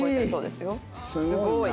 すごいな。